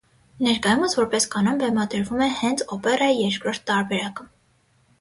Ներկայումս որպես կանոն բեմադրվում է հենց օպերայի երկրորդ տարբերակը։